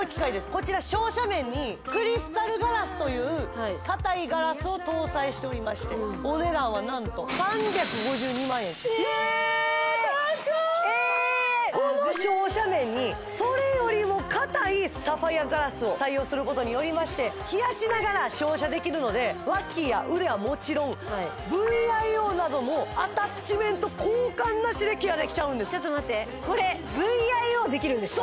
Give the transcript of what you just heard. こちら照射面にクリスタルガラスという硬いガラスを搭載しておりまして何とこの照射面にそれよりも硬いサファイアガラスを採用することによりまして冷やしながら照射できるのでワキや腕はもちろんＶＩＯなどもアタッチメント交換ナシでケアできちゃうんですちょっと待ってこれＶＩＯできるんですか？